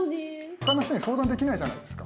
他の人に相談できないじゃないですか。